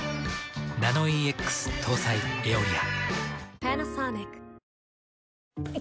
ナノイーＸ搭載「エオリア」。